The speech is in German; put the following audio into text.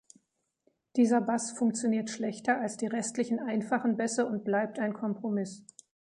Dieser Bass funktioniert schlechter als die restlichen einfachen Bässe und bleibt ein Kompromiss.